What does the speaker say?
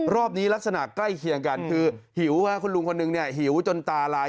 รอบนี้ลักษณะใกล้เคียงกันคือหิวคุณลุงคนนึงเนี่ยหิวจนตาลาย